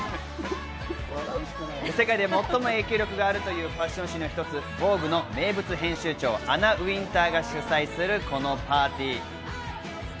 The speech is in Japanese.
世界で最も影響力があるというファション誌の一つ『ＶＯＧＵＥ』の名物編集長アナ・ウィンターが主催するこのパーティー。